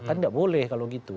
kan tidak boleh kalau gitu